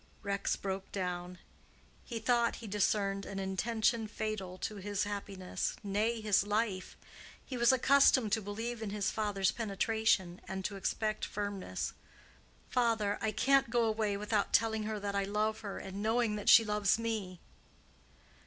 Rex broke down. He thought he discerned an intention fatal to his happiness, nay, his life. He was accustomed to believe in his father's penetration, and to expect firmness. "Father, I can't go away without telling her that I love her, and knowing that she loves me."